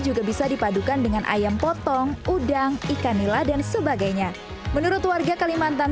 juga bisa dipadukan dengan ayam potong udang ikan nila dan sebagainya menurut warga kalimantan